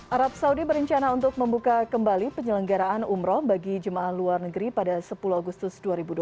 arab saudi berencana untuk membuka kembali penyelenggaraan umroh bagi jemaah luar negeri pada sepuluh agustus dua ribu dua puluh